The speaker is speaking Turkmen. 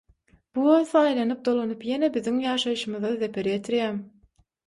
Bu bolsa aýlanyp dolanyp ýene biziň ýaşaýyşymyza zeper ýetirýär.